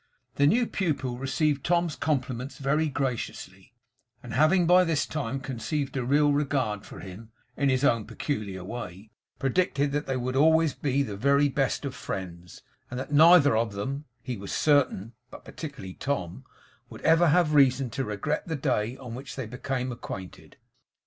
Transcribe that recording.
The new pupil received Tom's compliments very graciously; and having by this time conceived a real regard for him, in his own peculiar way, predicted that they would always be the very best of friends, and that neither of them, he was certain (but particularly Tom), would ever have reason to regret the day on which they became acquainted.